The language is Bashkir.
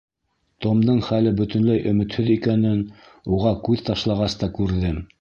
Томдың хәле бөтөнләй өмөтһөҙ икәнен уға күҙ ташлағас та күрҙем.